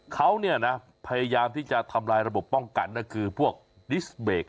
เขาเนี่ยนะพยายามที่จะทำลายระบบป้องกันก็คือพวกดิสเบรก